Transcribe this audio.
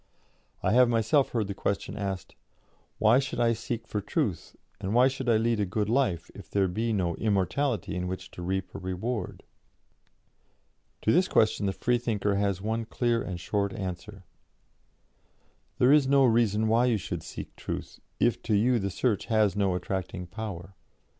"I have myself heard the question asked: 'Why should I seek for truth, and why should I lead a good life, if there be no immortality in which to reap a reward?' To this question the Freethinker has one clear and short answer: 'There is no reason why you should seek Truth, if to you the search has no attracting power.